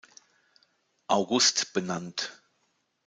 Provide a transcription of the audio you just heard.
August benannt.